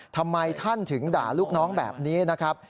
ทำไมท่านถึงด่าลูกน้องแบบนี้นะครับ